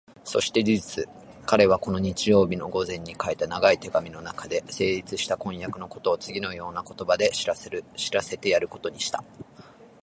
そして事実、彼はこの日曜日の午前に書いた長い手紙のなかで、成立した婚約のことをつぎのような言葉で知らせてやることにした。